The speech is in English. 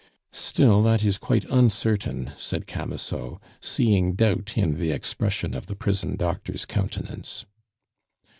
"Still that is quite uncertain," said Camusot, seeing doubt in the expression of the prison doctor's countenance.